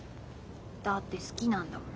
だって好きなんだもん。